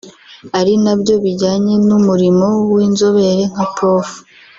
ari nabyo bijyanye n’umurimo w’inzobere nka Prof